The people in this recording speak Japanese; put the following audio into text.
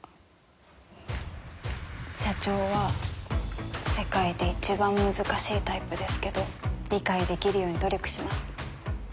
社長は世界で一番難しいタイプですけど理解できるように努力します。